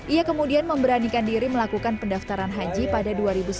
ia kemudian memberanikan diri melakukan pendaftaran haji pada dua ribu sembilan belas